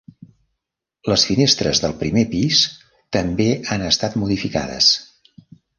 Les finestres del primer pis també han estat modificades.